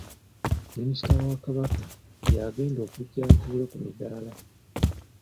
Minisita wa Kabaka y'agenda okujja atuule ku midaala!